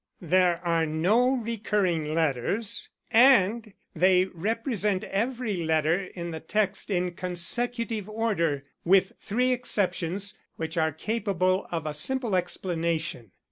There are no recurring letters, and they represent every letter in the text in consecutive order, with three exceptions which are capable of a simple explanation.